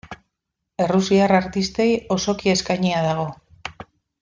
Errusiar artistei osoki eskainia dago.